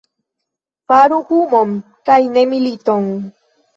Faru humon kaj ne militon!